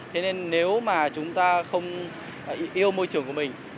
thế nên nếu mà chúng ta không yêu môi trường của mình